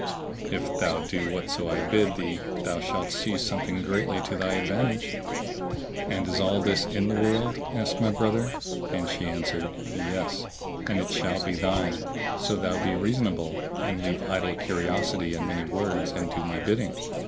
If thou do whatso I bid thee thou shalt see something greatly to thy advantage." "And is all this in the world?" asked my brother; and she answered, "Yes, and it shall be thine, so thou be reasonable and leave idle curiosity and many words, and do my bidding."